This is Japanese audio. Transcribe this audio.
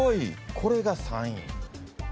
これが３位。